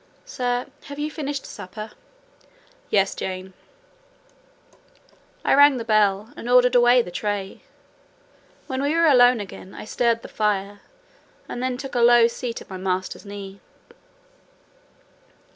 "Sir, have you finished supper?" "Yes, Jane." I rang the bell and ordered away the tray. When we were again alone, I stirred the fire, and then took a low seat at my master's knee.